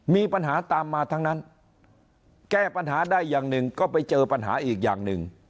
มีปัญหาตามมาทั้งนั้นแก้ปัญหาได้อย่างหนึ่งก็ไปเจอปัญหาอีกอย่างหนึ่ง